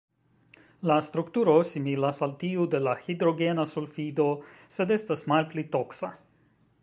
La strukturo similas al tiu de la hidrogena sulfido, sed estas malpli toksa.